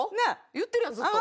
言うてるやんずっと。